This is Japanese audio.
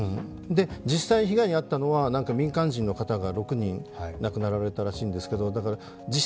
実際に被害に遭ったのは民間人の方が６人亡くなられたらしいんですけど実質